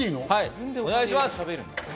お願いします。